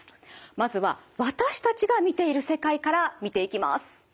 まずは私たちが見ている世界から見ていきます。